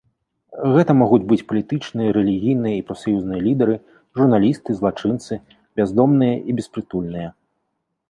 Гэта могуць быць палітычныя, рэлігійныя і прафсаюзныя лідары, журналісты, злачынцы, бяздомныя і беспрытульныя.